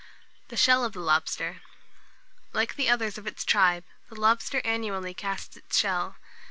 THE SHELL OF THE LOBSTER. Like the others of its tribe, the lobster annually casts its shell.